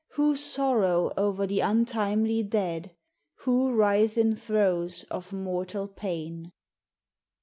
Who sorrow o'er the untimely dead ? Who writhe in throes of mortal pain